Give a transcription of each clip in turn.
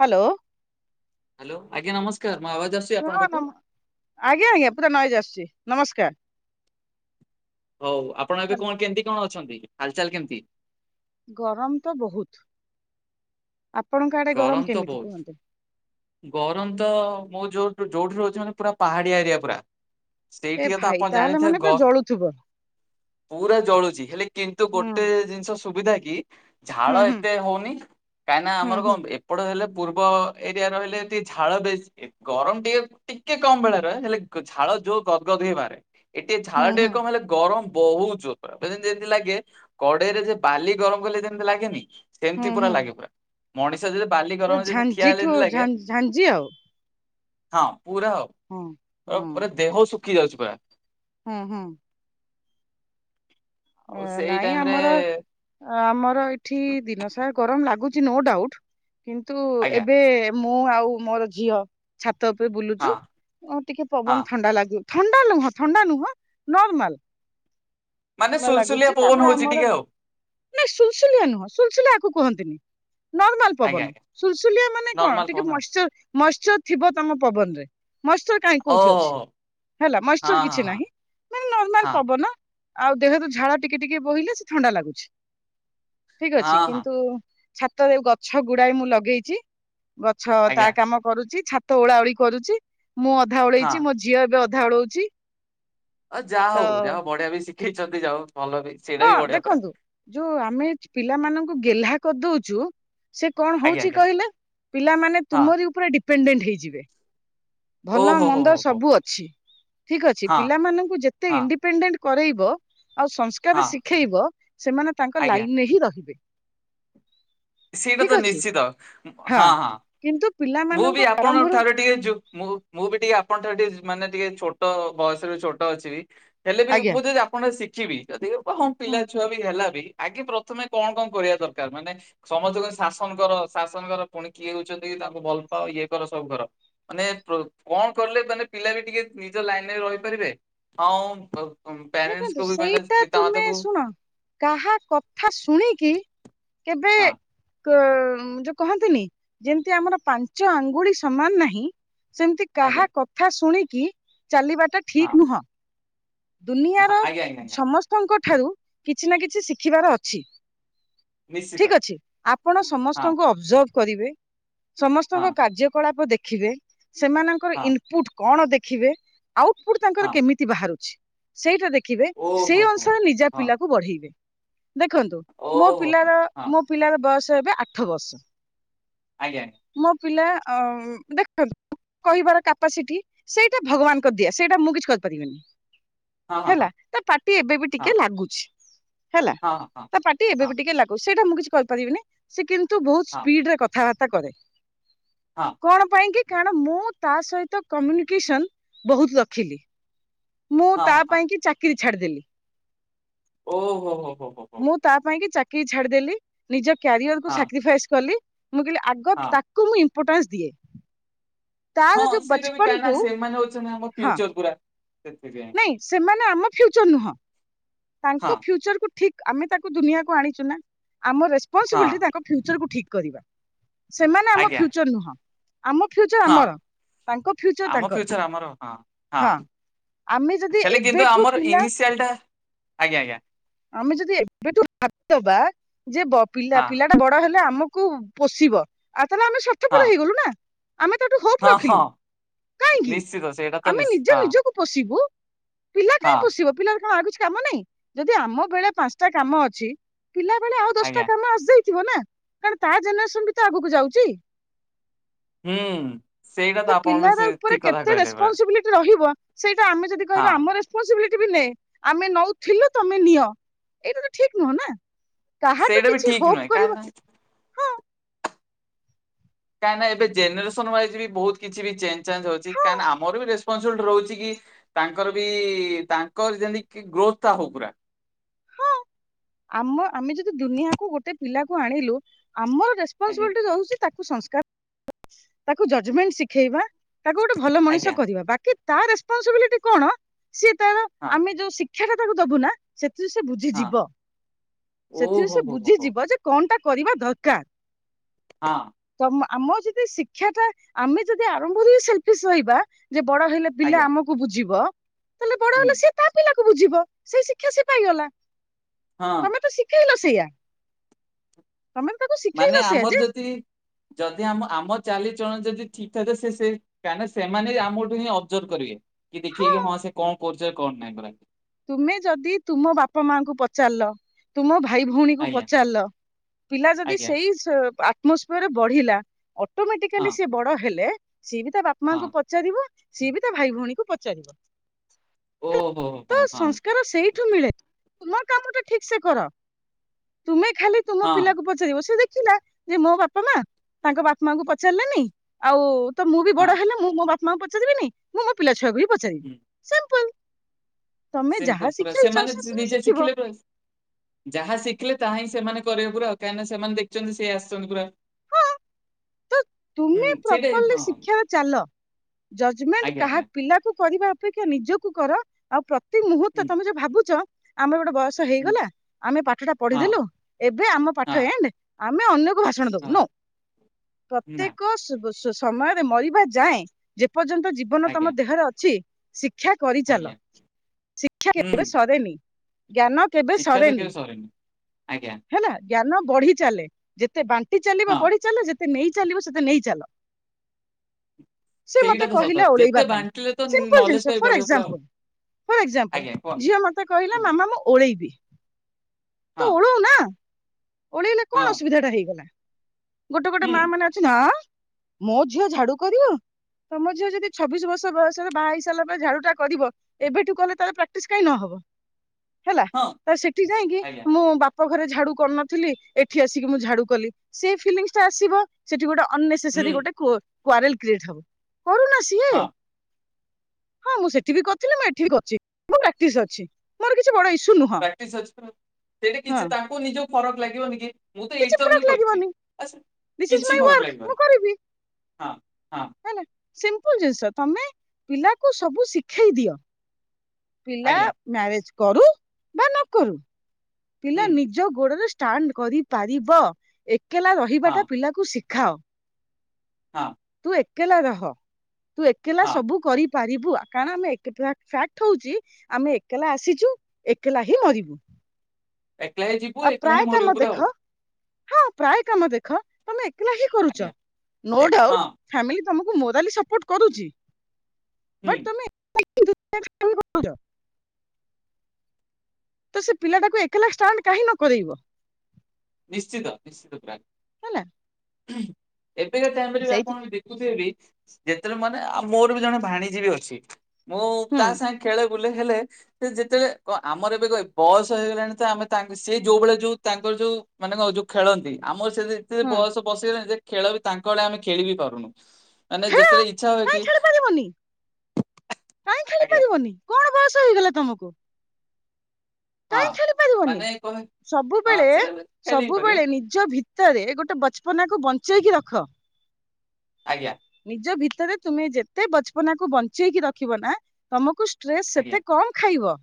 Hello. Hello ଆଜ୍ଞା ନମସ୍କାର ମୋ ଆବାଜ ଆସୁଚି? ହଁ ଆଜ୍ଞା ଆଜ୍ଞା ପୁରୁରା ନଏଜ ଆସୁଚି ନମସ୍କାର। ହଉ ଆପଣ ଏବେ ହ୍ୟାଲୋ। କଣ କେମିତି କଣ ଅଛନ୍ତି ହାଲଚାଲ କେମିତି। ଗରମ ତ ବହୁତ ଆପଣଙ୍କ ଆଡେ ଗରମ ତ କେମିତି ବହୁତ କୁହନ୍ତୁ। ଗରମ ତ ମୁଁ ଯୋଉଠ ଯୋଉଠି ରହୁଛି ମାନେ ପୁରା ପାହାଡିଆ ଏରିଆ ପୁରା। ଏ ସେଇଠିକ ତ ଭାଇ ଆପଣ ତାହେଲେ ଜାଣିଥିବେ ମାନେ ପୁରା ଗ ଜଳୁଥିବ। ପୁରା ଜଳୁଛି ହେଲେ କିନ୍ତୁ ହୁଁ ଗୋଟେ ଜିନିଷ ସୁବିଧା କି ହୁଁ ଝାଳ ହୁଁ ଏତେ ହଉନି କାହିଁକିନା ହୁଁ ଆମର ହୁଁ କଣ ଏପଟ ହେଲେ ପୂର୍ବ ଏ ଆ ରହିଲେ ଏ ଝାଳ ବେଶୀ। ଗରମ ଟିକେ ଟିକେ କମ ବେଳରେ ହେଲେ ଝାଳ ଯୋଉ ଗଦଗଦ ହେଇ ବାହାରେ। ଏଠି ହୁଁ ଝାଳ ଟେ ହୁଁ କମ ହେଲେ ଗରମ। ବହୁତ ଜୋରେ ମୋତେ ଯେମିତି ଲାଗେ କଡେଇରେ ଯେ ବାଲି ଗରମ କଲେ ଯେମିତି ଲାଗେନି। ହୁଁ ସେମିତି ପୁରା ହୁଁ ଲାଗେ ପୁରା ମଣିଷ ଯଦି ବାଲି ଗରମ ଯଦି ଠିଆ ହେଲେ ଯେମିତି ଲାଗେ। ଝନ୍ ଝାଞ୍ଜି ଆଉ। ହଁ ପୁରା ହଉ। ହଁ ଅ ପୁରା ଦେହ ଶୁଖି ଯାଉଛି ପୁରା। ହଁ ହଁ ଓ ଆଉ ସେଇ ନାଇଁ ଟାଇମ ରେ ଆମର। ଆମର ଏଠି ଦିନସାରା ଗରମ ଲାଗୁଛି ନୋ ଡାଉଟ କିନ୍ତୁ ଆଜ୍ଞା ଏବେ। ମୁଁ ଆଉ ମୋର ଝିଅ ଛାତ ଉପରେ ହଁ ବୁଲୁଚୁ ଟିକେ ହଁ ପବନ ଥଣ୍ଡା ଲାଗୁ ଥଣ୍ଡା ନୁହଁ ଥଣ୍ଡା ନୁହଁ ନର୍ମଲ। ମାନେ ସୁଲସୁଲିଆ ଲାଗୁଛି ପବନ ତାପରେ ହଉଛି ଆମର। ଟିକେ ଆଉ ନାଇଁ ସୁଲସୁଲିଆ ନୁହଁ ସୁଲସୁଲିଆକୁ ୟାକୁ କୁହନ୍ତିନି ନର୍ମାଲ। ଆଜ୍ଞା ପବନ ଆଜ୍ଞା ସୁଲସୁଲିଆ ମାନେ କଣ ନର୍ମାଲ ଟିକେ ପବନ ମଇଶ୍ଚର ମଇଶ୍ଚର୍ ଥିବ ତମ ପବନରେ ମଇଶ୍ଚର୍। କାହିଁ ଆଉ କୋଉଠି ଓହୋ ଅଛି ହେଲା ହୋ, ହଁ ମଏଶ୍ଚର ହଁ କିଛି ହଁ ନାହିଁ ମାନେ ନର୍ମାଲ ହଁ ପବନ। ଆଉ ଦେହ ରୁ ଝାଳ ଟିକେ ଟିକେ ବହିଲେ ସେ ଥଣ୍ଡା ଲାଗୁଛି ଠିକ ଅଛି ହଁ ହଁ କିନ୍ତୁ ଛାତ ରେ ଗଛ ଗୁଡାଇ ମୁଁ ଲଗେଇଛି ଗଛ ତା ଆଜ୍ଞା କାମ କରୁଛି ଛା ତ ଓଳାଓଳି କରୁଛି ମୁଁ ଅଧା ହଁ ଉଳେଇଛି ମୋ ଝିଅ ଏବେ ଅଧା ଓଲୋଉଛି। ଅ ଯାହା ହଉ ଯାହା ବଢିଆ ବି ଶିଖେଇଛନ୍ତି ଯାଉ ଭଲ ବି। ସେଇଟା ହଁ ବି ବଢିଆ ପୁରା ଦେଖନ୍ତୁ ଯୋଉ ଆମେ ପିଲାମାନଙ୍କୁ ଗେହ୍ଲା କରିଦଉଛୁ। ସେ କଣ ଆଜ୍ଞା ହଉଛି ଆଜ୍ଞା କହିଲେ ପିଲାମାନେ ହଁ ତୁମରି ଉପରେ ଡିପେଣ୍ଡେଣ୍ଟ ହେଇଯିବେ। ଓହୋ ଭଲ ହୋ ମନ୍ଦ ହୋ ହୋ ସବୁ ଅଛି ଠିକ ଅଛି ହଁ ପିଲାମାନଙ୍କୁ ଯେତେ ହଁ ଇଣ୍ଡିପେଣ୍ଡେଣ୍ଟ କରେଇବ ଆଉ ହଁ ସଂସ୍କାର ଶିଖେଇବ ସେମାନେ ତାଙ୍କ ଆଜ୍ଞା ଲାଇନରେ ହିଁ ରହିବେ। ସେଇଟା ଠିକ ତ ଅଛି ନିଶ୍ଚିତ ହଁ ହଁ କିନ୍ତୁ ମୁଁ ପିଲାମାନଙ୍କୁ ବି ଆପଣଙ୍କ ଆରମ୍ଭରୁ ଠାରୁ ଟିକେ ଯୁ ମୁଁ ମୁଁ ବି ଟିକେ ଆପଣ ଠାରୁ ଟିକେ ମାନେ ଟିକେ ଛୋଟ ବୟସରେ ଛୋଟ ଅଛିି ବି ହେଲେ ବି ଆଜ୍ଞା ମୁଁ ଯଦି ଆ କେ ଶିଖିବି ଯଦି ହଁ ପିଲା ଛୁଆ ବି ହେଲା ବି ଆଗେ ପ୍ରଥମେ କଣ କଣ କରିବା ଦରକାର ମାନେ ସମସ୍ତେ କ ଶାସନ କର ଶାସନ କର ପୁଣି କିଏ କହୁଛନ୍ତି ତାଙ୍କୁ ଭଲ ପାଅ ଇଏ କର ସବୁ କର। ମାନେ କଣ କରିଲେ ମାନେ ପିଲା ବି ଟିକେ ନିଜ ଲାଇନରେ ରହିପାରିବେ ଆଉ। ଦେଖନ୍ତୁ ସେଇଟା ତୁମେ ଶୁଣ କାହା କଥା ଶୁଣିକି କେବେ ହଁ କ ଯୋଉ କହନ୍ତିନି। ଯେମିତି ଆମର ପାଞ୍ଚ ଆଙ୍ଗୁଳି ସମାନ ନାହିଁ ସେମିତି ଆଜ୍ଞା। କାହା କଥା ଶୁଣିକି ଚାଲିବାଟା ହଁ ଠିକ ନୁହଁ। ହଁ, ଦୁନିଆର ଆଜ୍ଞା ଆଜ୍ଞା ଆଜ୍ଞା ସମସ୍ତଙ୍କ ଠାରୁ କିଛି ନା କିଛି ଶିଖିବାର ଅଛି। ନିଶ୍ଚିତ ଠିକ ଅଛି ଆପଣ ହଁ ସମସ୍ତଙ୍କୁ ଅବଜର୍ଭ କରିବେ। ହଁ ସମସ୍ତଙ୍କ କାର୍ଯ୍ୟକଳାପ ଦେଖିବେ ସେମାନଙ୍କର ହଁ ଇ ପୁଟ୍ କଣ ଦେଖିବେ ଆଉଟପୁଟ ହଁ ତାଙ୍କର କେମିତି ବାହାରୁଛି। ସେଇଟା ଦେଖିବେ ଓହୋ ସେଇ ହୋ। ଅନୁସାରେ ନିଜ ହଁ ପିଲାକୁ ବଢେଇବେ ଦେଖନ୍ତୁ ମୋ ଓହୋ ହୋ, ପିଲାର ହଁ ମୋ ପିଲାର ବୟସ ଏବେ ଆଠ ବର୍ଷ। ଆଜ୍ଞା। ମୋ ପିଲା ଦେଖନ୍ତୁ କହିବାର କାପାସିଟି ସେଇଟା ଭଗବାନଙ୍କ ଦିଆ ସେଇଟା ମୁଁ କିଛି କରିପାରିବିନି। ହଁ ହେଲା ହଁ ତା ପାଟି ଏବେ ବି ଟିକେ ଲାଗୁଛି ହେଲା। ହଁ ହଁ। ତା ପାଟି ଏବେ ହଁ ବି ଟିକେ ଲାଗୁ ସେଇଟା ମୁଁ କିଛି କରିପାରିବିନି ସେ କିନ୍ତୁ ବହୁତ ହଁ ସ୍ପିଡ ରେ କଥାବାର୍ତ୍ତା କରେ। ହଁ। କଣ ପାଇଁ କି କାରଣ ମୁଁ ତା ସହିତ କମ୍ୟୁନିକେସନ୍ ବହୁତ ରଖିଲି। ମୁଁ ହଁ ତା ହଁ ହଁ ପାଇଁ କି ଚାକିରି ଛାଡ଼ିଦେଲି। ଓ ହୋ ହୋ ହୋ। ମୁଁ ତା ପାଇଁ କି ଚାକିର ଛାଡ଼ିଦେଲି ନିଜ କ୍ୟାରିଅର କୁ ହଁ ସାକ୍ରିଫାଇସ୍ କଲି ମୁଁ କହିଲି ଆଗ ହଁ ତା ତାକୁ ମୁଁ ଇମ୍ପୋର୍ଟାନସ ଦିଏ। ତାର ହଁ ଯୋଉ ସେଇଟା ବି ବଚପନ କାଁ ନା କୁ ସେମାନେ ହଉଛନ୍ତି ଆମ ହଁ ଫ୍ୟୁଚର୍ ପୁରା। ସେଥିପାଇଁ ନାଇଁ ସେମାନେ ଆମ ଫ୍ୟୁଚର ନୁହଁ। ତାଙ୍କ ହଁ ଫ୍ୟୁଚରକୁୁ ଠିକ୍ ଆମେ ତାକୁ ଦୁନିଆକୁ ଆଣିଛୁ ନା ଆମ ହଁ ରେସପନସିବିଲିଟି ତାଙ୍କ ଫ୍ୟୁଚରକୁୁ ଠିକ୍ କରିବା ସେମାନେ ଆମ ଆଜ୍ଞା ଫ୍ୟୁଚର୍ ନୁହଁ। ଆମ ଫ୍ୟୁଚର ହଁ ଆମର ତାଙ୍କ ଫ୍ୟୁଚର ଆମ ତାଙ୍କର ଫ୍ୟୁଚର୍ ଆମର ହଁ ହଁ। ଆମେ ଯଦି ହେଲେ କିନ୍ତୁ ଏବେଠୁ ଆମର ପିଲା ଇନିସିଆଲ୍ ଟା ଆଜ୍ଞା ଆଜ୍ଞା। ଆମେ ଯଦି ଏବେଠୁ ଭାବିଦବା ଯେ ବ ପିଲା ହଁ ପିଲା ବଡ ହେଲେ ଆମକୁ ପୋଷିବ ଆଉ ତାଲେ ଆମେ ସ୍ୱା ହଁ। କଲୁ ନା ଆମେ ତାଠୁ ହୋପ୍ ହଁ ରଖିଲୁ ହଁ କାହିଁକି ନିଶ୍ଚିତ ସେଇଟା ତ ଆମେ ନିଶ୍ଚ ନିଜ ହଁ ନିଜକୁ ପୋଶିବୁ ପିଲା ହଁ। ପୋଷିବ ପିଲାର କଣ ଆଉ କିଛି କାମ ନାହିଁ। ଯ ଆମ ବେଳେ ପାଞ୍ଚଟା କାମ ଅଛି ପିଲା ବେଳେ ଆଉ ଦଶଟା ଆଜ୍ଞା କାମ ଆସିଯାଇଥିବ ନା। କାରଣ ତା ଜେନେରେସନ୍ ବି ତ ଆଗକୁ ଯାଉଛି। ହୁଁ ସେଇଟା ତ ଆପଣ ବି ପିଲାର ସେ ଉପରେ ଠିକ କଥା କେତେ କହିଲେ ପୁରା ରେସ୍ପନସିବିଲିଟି ରହିବ ସେଇଟା ଆମେ ଯଦି ହଁ କହିବା ଆମର ରେସ୍ପନସିବିଲିଟି ବି ନେ ଆମେ ନଉଥିଲେ ତମେ ନିଅ ଏଇଟା ତ ଠିକ୍ ନୁହଁ ନା କାହାଠୁ ସେଇଟା ବି କିଛି ଠିକ ନୁହେଁ ହୋପ୍ କାହିଁକି ନା କରିବ କାହିଁକନା ଏବେ ଜେନେରେସନ୍ ୱାଇଜ୍ ବି ବହୁତ କିଛି ବି ଚେଞ୍ ଚାଞ୍ଜ ହଉଛି ହଁ କହିଁକିନା ଆମର ରେସ୍ପନସିବିଲିଟି ରହୁଛି କି ତାଙ୍କର ବି ତାଙ୍କର ଯେମିତି ଗ୍ରୋଥ୍ ଟା ହୋଉ ପୁରା। ହଁ ଆମ ଆମେ ଯଦି ଦୁନିଆକୁ ଗୋଟେ ପିଲାକୁ ଆଣିଲୁ ଆମର ଆଜ୍ଞା ରେସପନସିବିଲିଟି ରଉଛି ତାକୁ ସଂସ୍କାର ତାକୁ ଜଜମେଣ୍ଟ ଶିଖେଇବା ତାକୁ ଗୋଟେ ଭଲ ମଣିଷ ଆଜ୍ଞା କରିବା ବାକି ତା ରେସପନସିବିଲିଟି କଣ ସିଏ ତାର ହଁ ଆମେ ଯୋଉ ଶିକ୍ଷାଟା ତାକୁ ଦବୁ ନା ସେଥିରୁ ସେ ହଁ ବୁଝିଯିବ ସେଥିରୁ ଓହୋ ସେ ହୋ ହୋ ହୋ ବୁଝିଯିବ ଯେ କଣ ଟା କରିବା ଦରକାର। ହଁ। ତ ଆମ ଯଦି ଶିକ୍ଷା ଟା ଆମେ ଯଦି ଆରମ୍ଭରୁ ସେଲ୍ଫିସ ରହିବା ଯେ ବଡ ହେଲେ ପିଲା ଆଜ୍ଞା ଆମକୁ ବୁଝିବ ହେଲେ ହୁଁ। ସେ ତା ପିଲା କୁ ବୁଝିବ ସେଇ ଶିକ୍ଷା ସେ ପାଇ ଗଲା। ହଁ। ତମେ ଶିଖେଇଲ ସେଇଆ ତମେମାନେ ତାକୁ ମାନେ ଶିଖେଇଲ ସେଇଆ ଆମର ଯେ। ଯଦି ଯଦି ଆମ ଆମ ଚାଲିଚଳନ ଯଦି ଠିକ୍ ଠାକ ସେ ସେ କାହିଁନା ସେମାନେ ବି ଆମଠୁ ହିଁ ଅବଜର୍ଭ କରିବେ କି ଦେଖିବେ କି ହଁ ସେ କଣ କରୁଛି କଣ ନାଇଁ। ତୁମେ ଯଦି ତୁମ ବାପା ମାଙ୍କୁ ପଚାରିଲ ତୁମ ଭାଇ ଭଉଣୀ କୁ ଆଜ୍ଞା ପଚାରିଲ ପିଲା ଯଦି ଆଜ୍ଞା ସେଇ ଅଟ ମୋ ସ୍ପିଅରରେ ବଢିଲା ହଁ ଅଟୋମଟିକାଲି ସେ ବଡ ହେଲେ ସିଏ ବି ତା ବାପ ହଁ ମାଙ୍କୁ ପ ପଚାରିବ ସିଏ ବି ତା ଭାଇ ଭଉଣୀକୁ ପଚାରିବ। ଓହୋ। ହୋ ତ ହଁ ସଂସ୍କାର ସେଇଠୁ ମିଳେ ତୁମ କାମ ଟା ଠିକ୍ ସେ କର ତୁମେ ଖାଲି ତୁମ ହଁ ପିଲା ହଁ କୁ ସେଇଆକୁ ସେ ଦେଖିଲା ଯେ ମୋ ବାପା ମା ତାଙ୍କ ବାପା ମାଙ୍କୁ ପଚାରିଲେନି ଆଉ ତ ମୁଁ ବି ହଁ ବଡ଼ ହେଲେ ମୁଁ ମୋ ବାପାଙ୍କୁ ପଚାରିବିନି ମୁଁ ମୋ ପିଲା ଛୁଆକୁ ବି ପଚାରିବିନି ହୁଁ ସିମ୍ପୁଲ। ସିମ୍ପୁଲ ପୁରା ସେମାନେ ସେ ନିଜେ ଶିଖିବ ଶିଖିଲେ ଯାହା ଶିଖିଲେ ତାହା ହିଁ ସେମାନେ କରିବେ ପୁରା କାହିଁକିନା ସେମାନେ ଦେଖଛନ୍ତି ସେ ଆସିଛନ୍ତି ପୁରା। ହୁଁ ତମେ ସେଇଟା ପ୍ରପରଲି ହଁ ଶିକ୍ଷା ଚାଲ ଜଜମେଣ୍ଟ ଆଜ୍ଞା କାହା ଆଜ୍ଞା ପିଲାକୁ କରିବା ଅପେକ୍ଷା ନିଜକୁ କର ଆଉ ପ୍ରତି ମୁହୂର୍ତ୍ତ ହୁଁ ତମେ ଯୋଉ ଭାବୁଛ ଆମେ ଗୋଟେ ବୟ ହୁଁ ହେଇଗଲା ଆମେ ପାଠ ଟା ହଁ ପଢିଦେଲୁ ଏବେ ଆମ ହଁ ପାଠ ଏଣ୍ଡ ଆମେ ଅନ୍ୟକୁ ଭାଷଣ ଦୋବୁ ହଁ ନୋ। ନା ପ୍ରତ୍ୟେକ ସମୟରେ ମରିବା ଯାଏଁ ଯେପର୍ଯ୍ୟନ୍ତ ଜୀବନ ତମ ଆଜ୍ଞା ଦେହରେ ଅଛି ଶିକ୍ଷା କରିଚାଲ ଆଜ୍ଞା ଶିକ୍ଷା ହୁଁ କେବେ ସରେନି ଜ୍ଞାନ କେବେ ଶିକ୍ଷା ତ ସରେନି କେବେ ଆଜ୍ଞା ହେଲା ଜ୍ଞାନ ବଢି ଚାଲେ। ଯେତେ ବାଣ୍ଟି ଚାଲିବ ହଁ ବଢି ଚାଲ ଯେତେ ନେଇ ଚାଲିବ ସେତେ ନେଇ ଚାଲ। ସେ ସେଇଟା ମତେ ତ ସତ କହିଲା ଓଳେଇବା ଯେତେ ପାଇଁ ବାଣ୍ଟିଲେ ତ ସିମ୍ପୁଲ ନଲେଜ ଜିନିଷ ଟା ବି ଫର୍ ବଢିବ ପୁରା ଆଉ ଏକ୍ସାମ୍ପୁଲ୍। ଫର୍ ଏକ୍ସାମ୍ପୁଲ ଆଜ୍ଞା କୁହନ୍ତୁ ଝିଅ ମତେ କହିଲେ ହୁଁ, ମାମା ମୁଁ ଓଳେଇବି। ତୁ ହଁ। ଓଳଉ ନା ଓଳେଇଲେ ହଁ କଣ ଅସୁବିଧା ଟା ହେଇଗଲା ଗୋଟେ ଗୋଟେ ହୁଁ ମା ମାନେ ଅଛନ୍ତି ଆଁ ମୋ ଝିଅ ଝାଡୁ କରିବ। ତମ ଝିଅ ଯଦି ଛବିଶି ବର୍ଷ ବୟସରେ ବାହା ହେଇସରିଲାପରେ ଝାଡୁ ଟା କରିବ ଏବେଠୁ କଲେ ତାର ପ୍ରାଟିସ୍ କାଇଁ ନହବ। ହେଲା ହଁ ତ ସେଠି ଯାଇକି ଆଜ୍ଞା ମୁଁ ବାପ ଘରେ ଝାଡୁ କରୁନ ଥିଲି ଏଠି ଆସିକି ମୁଁ ଝାଡୁ କଲି ସେ ଫିଲିଙ୍ଗ ଟା ଆସିବ ସେଠି ଗୋଟେ ଅନ ନେସ୍ ହୁଁ ସେରି ଗୋଟେ କୋ କ୍ୱାରେଲ କ୍ରିଏଟ ହବ। କରୁନା ସିଏ। ହଁ ହଁ ମୁଁ ସେଠି ବି କରୁଥିଲି ମୁଁ ଏଠି ବି କରୁଛି ମୁଁ ପ୍ରାକ୍ଟିସ୍ ଅଛି। ମୋର କିଛି ବଡ ଇସ୍ୟୁ ନୁହଁ ହଁ। ମୋ ନିଜକୁ ଫରକ ଲାଗିବନି କି। ମୁଁ ତ କିଛି ଇଣ୍ଟର ବ୍ୟୁ ଫରକ ହିଁ କରିଛି ଲାଗିବନି ଦିସ୍ ଇଜ କିଛି ମାଇ ଫରକ ୱାର୍କ ମୁଁ ଲାଗିବନି କରିବି ହଁ ହଁ। ସିମ୍ପୁଲ ଜିନିଷ ତମେ ପିଲାକୁ ସବୁ ଶିଖେଇ ଦିଅ। ପିଲା ଆଜ୍ଞା ମ୍ୟାରେଜ କରୁ ବା ନ କରୁ। ପିଲା ହୁଁ ନିଜ ଗୋଡରେ ଷ୍ଟାଣ୍ଡ କରିପାରିବ ଏକେଲା ହଁ ରହିବାଟା ପିଲା ଶିଖାଅ ହଁ ତୁ ଏକେଲା ରହ ତୁ ଏକେଲା ହଁ ସବୁ କରି ପାରିବୁ କାରଣ ଆମେ ଏକ ଫ୍ୟାକ୍ଟ ହୋଉଛି ଆମେ ଏକଲା ଆସିଛୁ ଏକଲା ହିଁ ମରିବୁ। ଏକେଲା ହିଁ ଯିବୁ। ଆଉ ଏକଲା ପ୍ରାୟ ହିଁ କାମ ମରିବୁ ପୁରା ଆଉ ଦେଖ ହଁ ପ୍ରାୟ କାମ ଦେଖ ତମେ ଏକଲା ହିଁ କରୁଛ ଆଜ୍ଞା ନୋ ଡାଉଟ। ହଁ ଫ୍ୟାମିଲି ତମକୁ ମୋରାଲି ସର୍ପୋଟ କରୁଚି ହୁଁ ବଟ ତମେ କେତେ ଦୁଷ୍ଟ ଦୁଷ୍ଟାମୀ କରୁଛ। ତ ସେ ପିଲାଟାକୁ ଏକଲା ଷ୍ଟାଣ୍ଡ କାହିଁ ନ କରରେଇବ। ନିଶ୍ଚିତ ନିଶ୍ଚିତ ମାମ। ହେଲା ଏବେକା ଟାଇମ ରେ ବି ସେଇଥି ଆପଣ ଦେଖ ଯେତେବେଳେ ମାନେ ଆ ମୋର ବି ଜଣେ ଭାଣିୀଜୀବୀ ଅଛି ମୁଁ ହୁଁ ତା ସାଙ୍ଗ ଖେଳେ ବୁଲେ ହେଲେ ସେ ଯେତେବେଳେ ଆମର ଏବେ କ ବୟସ ହେଇଗଲାଣି ତ ଆମେ ସେ ଯୋଉବେଳେ ଯୋଉ ତାଙ୍କର ଯୋଉ ମାନେ କ ଯୋଉ ଖେଳନ୍ତି ଆମର ସେ ହୁଁ ବୟସ ବସଗଲେଣି ଯେ ଖେଳ ବି ତାଙ୍କ ଆଡେ ଆମେ ଖେଳିିବ କରୁନୁ ମାନେ ଯେତେଳେ ଇଚ୍ଛା ହୁଏ କି କାଇହିଁ ଆଜ୍ଞା ଖେଳିପାରିବନି କଣ ବୟସ ହେଇଗଲା ତମକୁ? ହଁ କାଇହିଁ ଖେଳି ପାରିବନି ମାନେ କହେ ହଁ ସବୁବେଳେ ସେ ଖେଳି ପାରିବ ସବୁବେଳେ ନିଜ ଭି ତରେ ଗୋଟେ ବଛପନାକୁ ବଞ୍ଚେଇକି ରଖ ଆଜ୍ଞା। ନିଜ ଭିତରେ ତୁମେ ଯେତେ ବଛପନାକୁ ବଞ୍ଚେଇକି ରଖିବ ନା ତମକୁ ଷ୍ଟ୍ରେସ୍ ଆଜ୍ଞା ସେତେ କମ ଖାଇବ।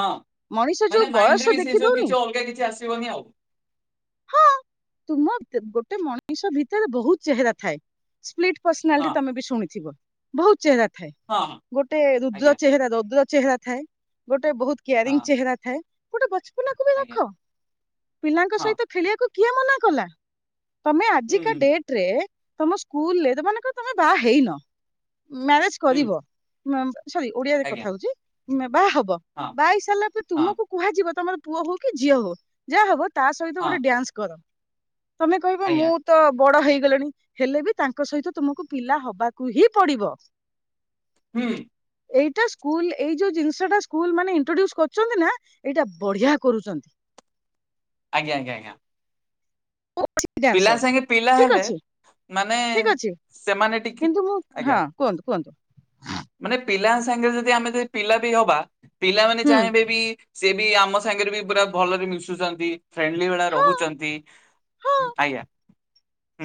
ହଁ ମଣିଷ ଯୋଉ ମାନେ ବୟସ ମାଇଣ୍ଡ ରେ ବି ଦେଖି ସେଇ ସବୁ ଦଉନି କିଛି ଅଲଗା କିଛି ଆସିବନି ଆଉ। ହଁ ତୁମ ଗୋଟେ ମଣିଷ ଭିତରେ ବହୁତ ଚେହେରା ଥାଏ। ସ୍ପ୍ଲିଟ୍ ହଁ ପର୍ସନାଲିଟି ତମେ ବି ଶୁଣିଥିବ ବହୁତ ଚେହେରା ଥାଏ ହଁ ହଁ ଗୋଟେ ରୁଦ୍ର ଆଜ୍ଞା ଚେହେରା ରୁଦ୍ର ଚେହେରା ଥାଏ ଗୋଟେ ବହୁତ କେ ୟା ହଁ ରିଙ୍ଗ ଚେହେରା ଥାଏ ଗୋଟେ ବଛପନା କୁ ବି ଆଜ୍ଞା ରଖ ପିଲାଙ୍କ ହଁ ସହିତ ଖେଳିବାକୁ କିଏ ମନା କଲା ତମେ ଆଜି ହୁଁ କା ହୁଁ ଡେଟ ରେ ସ୍କୁଲରୋ ତମ ସ୍କୁଲ ରେ ତମେ ବାହା ହେଇନ ମ୍ୟାରେଜ ହୁଁ କରିବ ସରି ଓଡିଆରେ କଥା ଆଜ୍ଞା ହଉଛି ବାହା ହବ ହଁ ବଇ ସାରିଲା ପରେ ହଁ ତୁମକୁ କୁହାଯିବ ତମର ପୁଅ ହଉ କି ଝିଅ ହଉ ଯାହା ହବ ତା ସହିତ ହଁ ଗୋଟେ ଡ୍ୟାନ୍ସ କର ତମେ କହିବ ଆଜ୍ଞା ମୁଁ ତ ବଡ ହେଇଗଲେଣି ହେଲେ ବି ତାଙ୍କ ସହିତ ତୁମକୁ ପିଲା ହବାକୁ ହିଁ ପଡିବ ତ ହୁଁ। ଏଇଟା ସ୍କୁଲ ଏଇ ଯୋଉ ଜିନିଷ ଟା ସ୍କୁଲ ମାନ ଇଣ୍ଟ୍ରୋଡୁସ କରୁଛନ୍ତି ନା ଏଇଟା ବଢିଆ କରୁଛନ୍ତି ଆଜ୍ଞା ଆଜ୍ଞା ଆଜ୍ଞା। ଡ ପିଲା ସାଙ୍ଗେ ପିଲା ଠିକ୍ ହେଲେ ଅଛି ମାନେ ଠିକ ଅଛି ସେମାନେ ଟିକେ କିନ୍ତୁ ମୁଁ ଆଜ୍ଞା ହଁ କୁହନ୍ତୁ କୁହନ୍ତୁ। ମାନେ ପିଲାଙ୍କ ସାଙ୍ଗରେ ଯଦି ଆମେ ଯଦି ପିଲା ବି ହବା ପିଲାମାନୋନେ ହୁଁ ଚାହିଁବେ ବି ସେି ବି ଆମ ସାଙ୍ଗରେ ବି ପୁରା ଭଲରେ ମିଶୁଛନ୍ତି ଫ୍ରେଣ୍ଡଲି ଭଳିଆ ହଁ ରହୁଛନ୍ତି। ହଁ ଆଞା।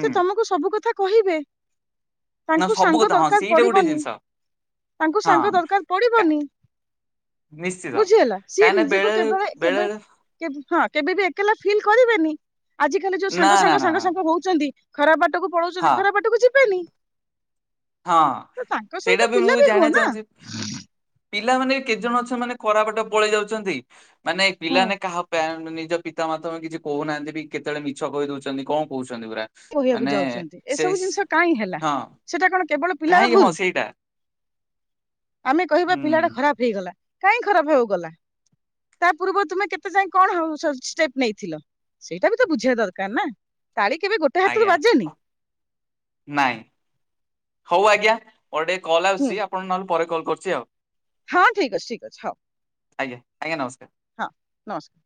ସେ ତମକୁ ସବୁ କଥା କହିବେ। ନା ତାଙ୍କୁ ସବୁ ସାଙ୍ଗ କଥା ହଁ ଦରକାର ସେଇଟା ଗୋଟେ ପଡିବନି ଜିନିଷ ତାଙ୍କୁ ହଁ ସାଙ୍ଗ ଦରକାର କା- ପଡିବନି। ନିଶ୍ଚିତ ବୁଝି ହେଲା ସିଏ କାହିଁକି ନା ନିଜକୁ ବେଳେ କେବେ କେବେ ବେଳେ ହଁ କେବେ ବି ଏକଲା ଫିଲ୍ କରିବେନି ଆଜିକାଲି ଯୋଉ ନା ସାଙ୍ଗ ନା ସାଙ୍ଗ ନା ସାଙ୍ଗ ନା ସାଙ୍ଗ ହଉଛନ୍ତି ଖରାପ ବାଟକୁ ପଳଉଛନ୍ତି ହଁ ଖରାପ ବାଟକୁ ଯିବେନି। ହଁ। ତ ତାଙ୍କ ସେଇଟା ସହିତ ପିଲା ବି ହୁଅ ନା। ପିଲାମାନୋନେ କେତେଜଣ ଅଛ ମାନେ ଖରାପଟ ପଳେଇ ଯାଉଛନ୍ତି ମାନେ ହୁଁ ପିଲାମାନେ କାହା ନିଜ ପିତା ମାମେ କିଛି କହୁନାହାନ୍ତି ବି କେତେବେଳେ ମିଛ କହି ଦଉଛନ୍ତି କଣ କହୁଛନ୍ତି ପୁରା। କହିବାକୁ ମାନେ ଯାଉଛନ୍ତି ସେଇ ଏସବୁ ଜିନିଷ କାହିଁ ହେଲା ହଁ ସେଟା କଣ କେବଳ ପିଲାର କାହିଁକି ହଁ ଭୁଲ ସେଇଟା ଆମେ କହିବା ପିଲାଟା ହୁଁ ଖରାପ। ହେଇଗଲା କାହିଁ ଖରାପ ହବାକୁ ଗଲା। ତା ପୂର୍ବରୁ ତୁମେ କେତେ ଯାଇଏ କଣ ଷ୍ଟେପ ନେଇଥିଲ। ସେଇଟା ବି ତ ବୁଝିବା ଦରକାର ନା ତାଳି କେବେ ଗୋଟେ ହାତରୁ ଆଜ୍ଞା ବାଜେନି ନାଇଁ ହଉ ଆଜ୍ଞା। ମୋର ଟିକେ କଲ ହୁଁ ଆସୁଛି ଆପଣଙ୍କୁ ନହେଲେ ପରେ କଲ୍ କରୁଛି ଆଉ। ହଁ ଠିକ ଅଛି ଠିକ୍ ଅଛି ହଉ। ଆଜ୍ଞା ଆଜ୍ଞା ନମସ୍କାର। ହଁ ନମସ୍କ।